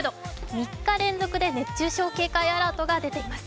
３日連続で熱中症警戒アラートが出ています。